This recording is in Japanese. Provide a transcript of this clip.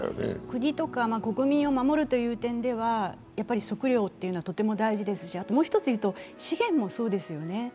国とか国民を守るという点では食料というのはとても大事ですし、もう一つ言うと、資源もそうですよね。